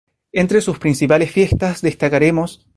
Entre sus principales fiestas, destacaremos.